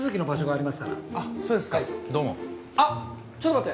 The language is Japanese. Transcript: あっちょっと待って。